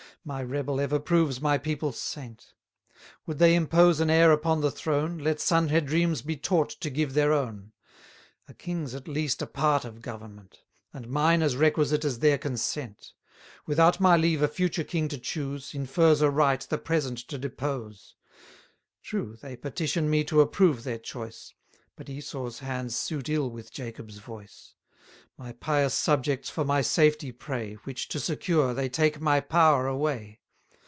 My rebel ever proves my people's saint. Would they impose an heir upon the throne, Let Sanhedrims be taught to give their own. A king's at least a part of government; And mine as requisite as their consent: Without my leave a future king to choose, Infers a right the present to depose. 980 True, they petition me to approve their choice: But Esau's hands suit ill with Jacob's voice. My pious subjects for my safety pray, Which to secure, they take my power away.